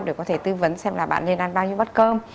để có thể tư vấn xem là bạn nên ăn bao nhiêu bất cơm